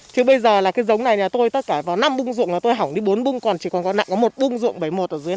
chứ bây giờ là cái giống này là tôi tất cả vào năm bung ruộng là tôi hỏng đi bốn bung còn chỉ còn có một bung ruộng bảy mươi một ở dưới này đấy